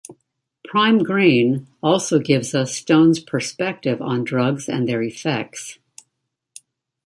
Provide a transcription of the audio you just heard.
"Prime Green" also gives us Stone's perspective on drugs and their effects.